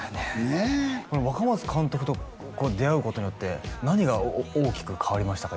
え若松監督と出会うことによって何が大きく変わりましたか？